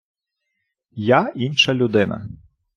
Я інша людина.